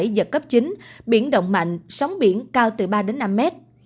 giật cấp chín biển động mạnh sóng biển cao từ ba đến năm mét